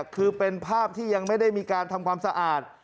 คือเป็นภาพที่ยังไม่ได้มีการทำความสะอาด